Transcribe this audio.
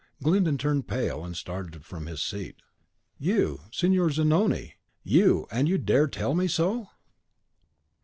Glyndon turned pale, and started from his seat. "You, Signor Zanoni! you, and you dare to tell me so?"